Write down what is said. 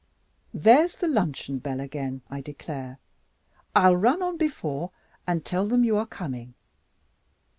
There's the luncheon bell again, I declare! I'll run on before and tell them you are coming.